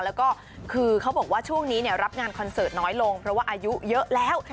แล้วก็คือเขาบอกว่าช่วงนี้รับงานคอนเสิร์ตน้อยลงเพราะว่าอายุเยอะแล้ว